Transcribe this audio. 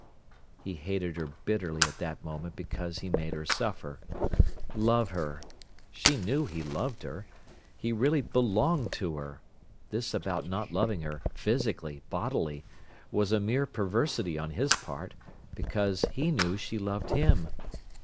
He hated her bitterly at that moment because he made her suffer. Love her! She knew he loved her. He really belonged to her. This about not loving her, physically, bodily, was a mere perversity on his part, because he knew she loved him.